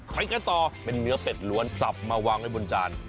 ไปกันต่อเป็นเนื้อเป็ดล้วนสับมาวางไว้บนจาน